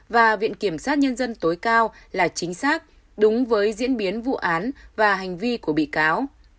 cảnh sát nhân dân tối cao là chính xác đúng với diễn biến vụ án và hành vi của bị cáo